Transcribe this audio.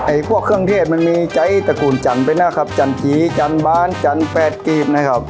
พวกเครื่องเทศมันมีใจตระกูลจันทร์ไปนะครับจันจีจันบานจันแปดกรีบนะครับ